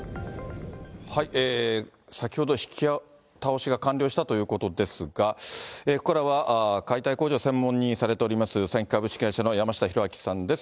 先ほど引き倒しが完了したということですが、ここからは解体工事を専門にされています、三貴株式会社の山下弘明さんです。